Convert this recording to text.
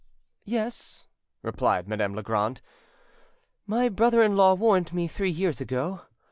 "Yes," replied Madame Legrand, "my brother in law warned me three years ago.